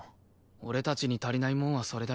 俺たちに足りないもんはそれだよ。